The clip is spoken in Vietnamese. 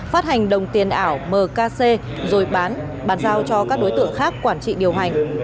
phát hành đồng tiền ảo mkc rồi bán bàn giao cho các đối tượng khác quản trị điều hành